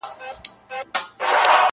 نن له سیوري سره ځمه خپل ګامونه ښخومه-